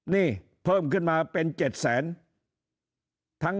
นี่เพิ่มขึ้นมาเป็น๗แสน